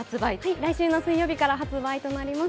来週の水曜日から発売となります。